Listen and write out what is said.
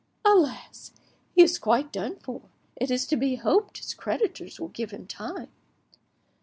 "Alas! he is quite done for; it is to be hoped his creditors will give him time!"